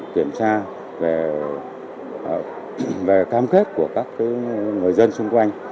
kiểm tra về cam kết của các người dân xung quanh